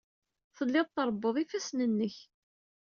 Telliḍ trebbuḍ ifassen-nnek.